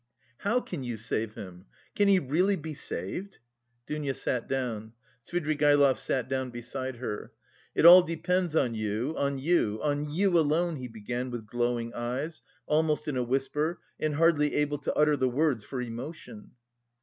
"How can you save him? Can he really be saved?" Dounia sat down. Svidrigaïlov sat down beside her. "It all depends on you, on you, on you alone," he began with glowing eyes, almost in a whisper and hardly able to utter the words for emotion.